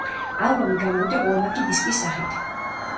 ალბომი გამოვიდა ორმაგი დისკის სახით.